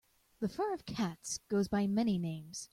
The fur of cats goes by many names.